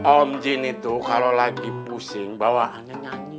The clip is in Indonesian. om jin itu kalau lagi pusing bawaannya nyanyi